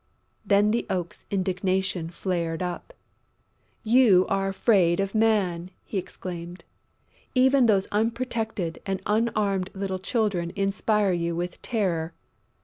Then the Oak's indignation flared up: "You are afraid of Man!" he exclaimed. "Even those unprotected and unarmed little Children inspire you with terror!...